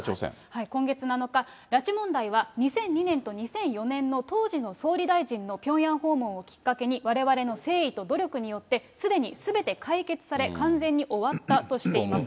ーこんげつ７日、拉致問題は２００２年と２００４年の当時の総理大臣のピョンヤン訪問をきっかけにわれわれの誠意と努力によって、すでにすべて解決され、完全に終わったとしています。